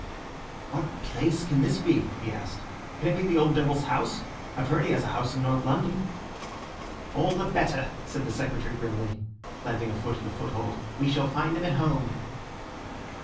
"What place can this be?" he asked. "Can it be the old devil's house? I've heard he has a house in North London." "All the better," said the Secretary grimly, planting a foot in a foothold, "we shall find him at home."